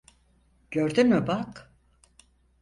Gördün mü bak?